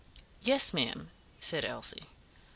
"Yes, ma'am," said Elsie.